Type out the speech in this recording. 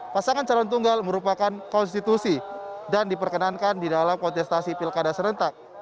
pasangan calon tunggal merupakan konstitusi dan diperkenankan di dalam kontestasi pilkada serentak